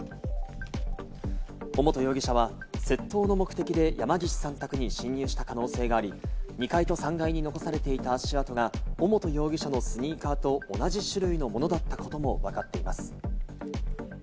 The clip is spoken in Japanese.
尾本容疑者は窃盗の目的で山岸さん宅に侵入した可能性があり、２階と３街に残されていた足跡が尾本容疑者のスニーカーと同じ種類のものだったこともわかっています。